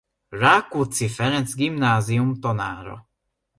Rákóczi Ferenc Gimnázium tanára.